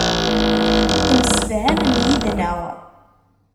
Temsefhamem yid-neɣ.